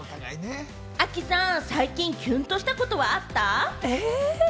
亜希さん、最近キュンとしたことはあった？